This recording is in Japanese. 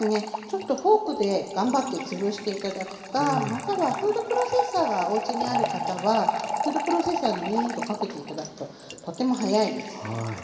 ちょっとフォークで頑張ってつぶして頂くかまたはフードプロセッサーがおうちにある方はフードプロセッサーにウィーンとかけて頂くととても早いです。